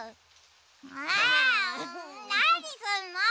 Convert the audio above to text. あなにすんの！